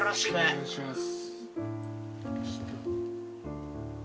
・お願いします。